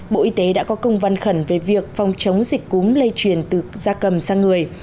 bộ y tế đã có công văn khẩn về việc phòng chống dịch cúm lây truyền từ da cầm sang người